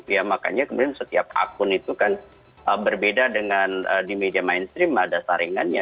ya makanya kemudian setiap akun itu kan berbeda dengan di media mainstream ada saringannya